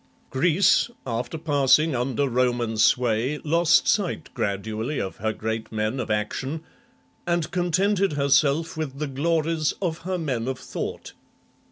Greece, after passing under Roman sway, lost sight gradually of her great men of action, and contented herself with the glories of her men of thought.